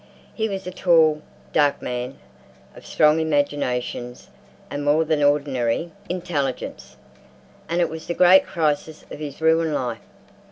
He was a tall, dark man of strong imagination and more than ordinary intelligence. And it was the great crisis of his ruined life.